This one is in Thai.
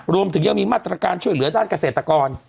รวมถึงยังมีมาตรการช่วยเหลือด้านเกษตรกร